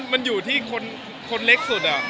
มันอยู่ที่คนเล็กสุด